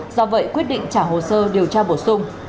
do vậy quyết định trả hồ sơ điều tra bổ sung